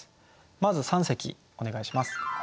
まず三席お願いします。